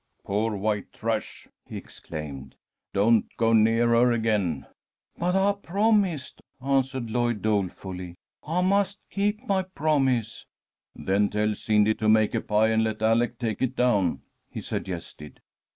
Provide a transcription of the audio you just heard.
"Poor white trash!" he exclaimed. "Don't go near her again!" "But I promised," answered Lloyd, dolefully. "I must keep my promise." "Then tell Cindy to make a pie, and let Alec take it down," he suggested.